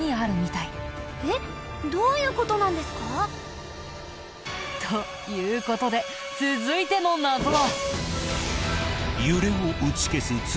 えっ？どういう事なんですか？という事で続いての謎は。